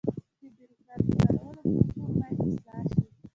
• د برېښنا د کارولو کلتور باید اصلاح شي.